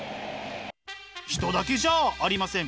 人だけじゃありません。